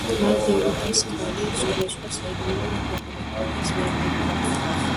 მალდერი და სკალი სხვადასხვა საიდუმლო ლაბორატორიას მიაგნებენ.